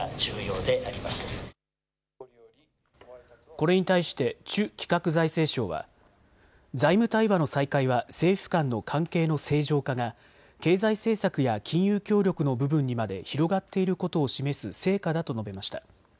これに対してチュ企画財政相は財務対話の再開は政府間の関係の正常化が経済政策や金融協力の部分にまで広がっていることを示す成果だと述べました。